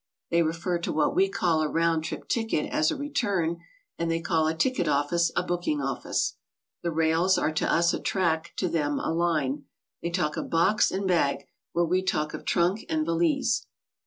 They refer to what we call a "round trip ticket" as a "return"; and they call a ticket office a "booking office." The rails are to us a "track"; to them a "line." They talk of "box" and "bag" where we talk of "trunk" and "valise."